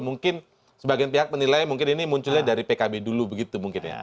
mungkin sebagian pihak menilai mungkin ini munculnya dari pkb dulu begitu mungkin ya